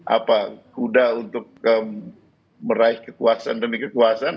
apa kuda untuk meraih kekuasaan demi kekuasaan